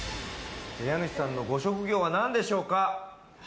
家主さんのご職業は何でしょうか？